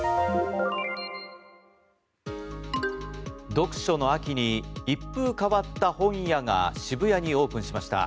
読書の秋に一風変わった本屋が渋谷にオープンしました。